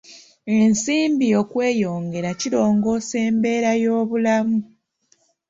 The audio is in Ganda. Ensimbi okweyongera kirongoosa embeera y'obulamu.